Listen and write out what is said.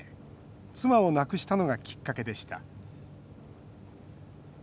妻を亡くしたのがきっかけでした。